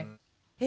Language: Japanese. え！